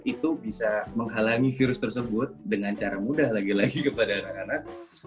itu bisa menghalangi virus tersebut dengan cara mudah lagi lagi kepada anak anak